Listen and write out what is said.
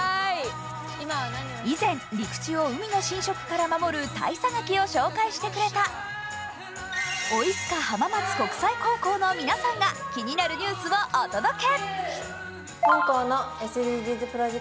以前、陸地を海の侵食から守るニュースをお届けしてくれたオイスカ浜松国際高校の皆さんが気になるニュースをお届け！